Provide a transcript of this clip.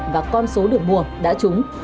và con số được mua đã trúng